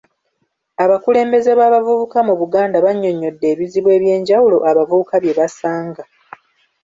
Abakulembeze b’abavubuka mu Buganda bannyonnyodde ebizibu eby'enjawulo abavubuka bye basanga.